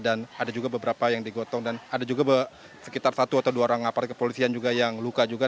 dan ada juga beberapa yang digotong dan ada juga sekitar satu atau dua orang aparat kepolisian juga yang luka juga